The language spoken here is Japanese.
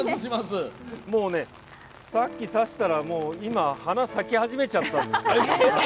もう、さっき、さしたらもう今、花咲き始めちゃった。